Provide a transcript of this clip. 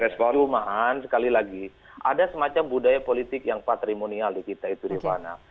cumaan sekali lagi ada semacam budaya politik yang patrimonial di kita itu divana